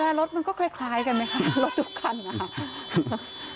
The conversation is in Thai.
แปรรถมันก็คล้ายกันไหมครับรถทุกคันนะครับ